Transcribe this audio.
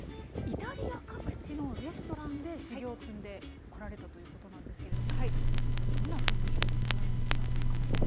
イタリア各地のレストランで修業を積んでこられたということなんですけれどもどんなふうに学んできたんですか。